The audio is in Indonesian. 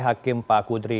hakim pak kudri